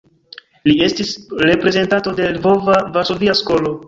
Li estis reprezentanto de Lvova-Varsovia skolo.